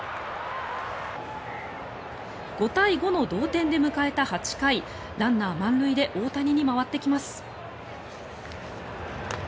５対５の同点で迎えた８回ランナー満塁で大谷に回ってきます。